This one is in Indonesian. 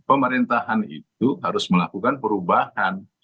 pemerintahan itu harus melakukan perubahan